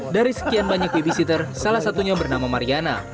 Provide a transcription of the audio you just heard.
dari sekian banyak babysitter salah satunya bernama mariana